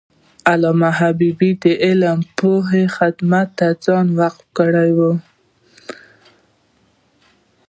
علامه حبیبي د علم او پوهې خدمت ته ځان وقف کړی و.